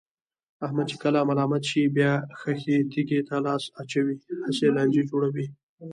احمد چې کله ملامت شي، بیا خښې تیګې ته لاس اچوي، هسې لانجې جوړوي.